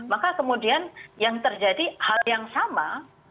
maka kemudian yang terjadi hal yang sama